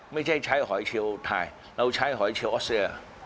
ไม่ใช่ใช้หอยเชลล์ไทยเราใช้หอยเชลล์ออสเซียร์